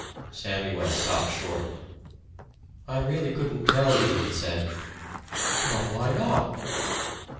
Samuel stopped short. "I really couldn't tell you," he said. "But why not?"